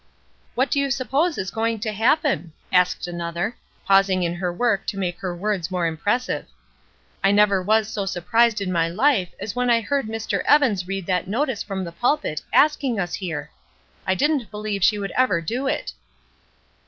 "What do you suppose is going to happen?" asked another, pausing in her work to make her words more impressive. "I never was so sur prised in my life as when I heard Mr. Evans read that notice from the pulpit asking us here. I didn't believe she would ever do it."